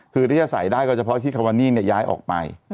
คือที่จะใส่ได้ก็เฉพาะที่คาวานี่ย้ายออกไป